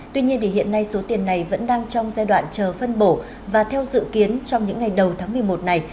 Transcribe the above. tuy nhiên hiện nay số tiền này vẫn đang trong giai đoạn chờ phân bổ và theo dự kiến trong những ngày đầu tháng một mươi một này